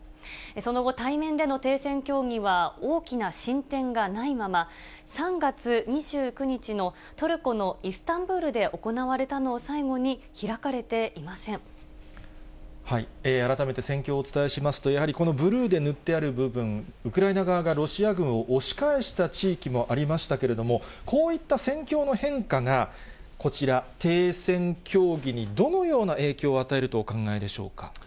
その後、対面での停戦協議は大きな進展がないまま、３月２９日のトルコのイスタンブールで行われたのを最後に、改めて、戦況をお伝えしますと、やはりこのブルーで塗ってある部分、ウクライナ側がロシア軍を押し返した地域もありましたけれども、こういった戦況の変化が、こちら、停戦協議にどのような影響を与えるとお考えでしょうか。